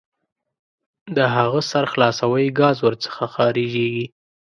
د هغه سر خلاصوئ ګاز ور څخه خارجیږي.